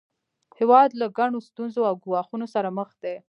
هیواد له ګڼو ستونزو او ګواښونو سره مخ دی